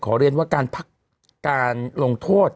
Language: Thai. เรียนว่าการพักการลงโทษ